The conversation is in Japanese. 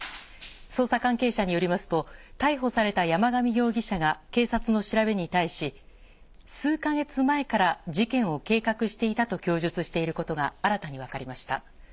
捜査関係者によりますと、逮捕された山上容疑者が警察の調べに対し、数か月前から事件を計画していたと供述していることが新たに分かりました。